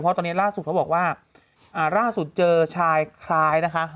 เพราะตอนนี้ล่าสุดเขาบอกว่าล่าสุดเจอชายคล้ายนะคะ